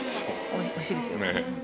おいしいですよ。